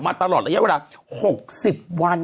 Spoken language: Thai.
ตลอดระยะเวลา๖๐วัน